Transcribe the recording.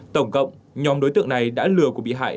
tổng cộng nhóm đối tượng này đã lừa của bị hại